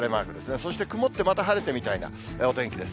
そして曇ってまた晴れてみたいなお天気です。